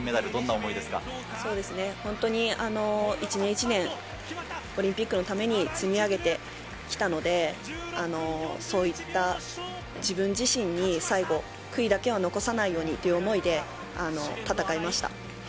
そうですね、本当に一年一年、オリンピックのために積み上げてきたので、そういった自分自身に最後、悔いだけは残さないようにという思いで戦いました。